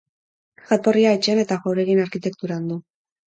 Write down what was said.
Jatorria etxeen eta jauregien arkitekturan du.